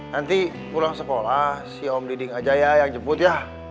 nanti pulang sekolah si om diding aja ya yang jemput ya